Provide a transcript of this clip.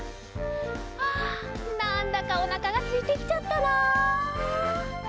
あなんだかおなかがすいてきちゃったな。